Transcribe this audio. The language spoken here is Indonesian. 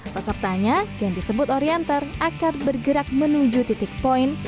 pesertanya yang disebut orienter akan bergerak menuju titik poin